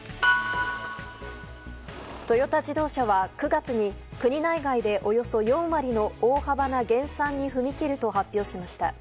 トヨタ自動車は９月に国内外でおよそ４割の大幅な減産に踏み切ると発表しました。